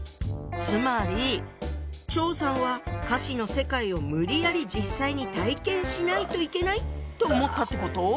つまり張さんは「歌詞の世界を無理やり実際に体験しないといけない」と思ったってこと？